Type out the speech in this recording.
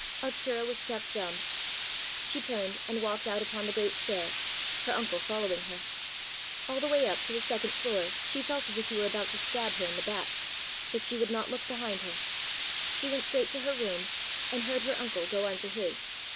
Arctura was struck dumb. She turned and walked out upon the great stair, her uncle following her. All the way up to the second floor she felt as if he were about to stab her in the back, but she would not look behind her. She went straight to her room, and heard her uncle go on to his.